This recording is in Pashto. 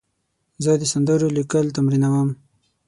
زه د سندرو لیکل تمرینوم.